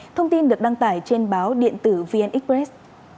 thông tin được đăng tải trên báo điện tử vn express